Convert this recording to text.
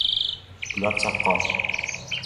Ular chaqqon.